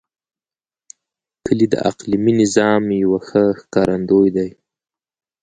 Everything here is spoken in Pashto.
کلي د اقلیمي نظام یو ښه ښکارندوی دی.